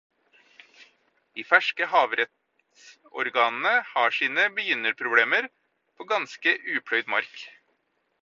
De ferske havrettsorganene har sine begynnerproblemer på ganske upløyet mark.